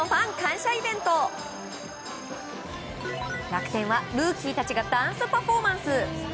楽天はルーキーたちがダンスパフォーマンス！